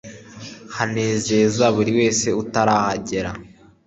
hanezeza buri wese utarahagera